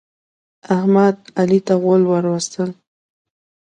احمد، علي ته غول ور وستل.